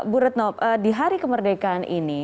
bu retno di hari kemerdekaan ini